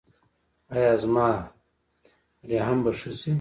ایا زما رحم به ښه شي؟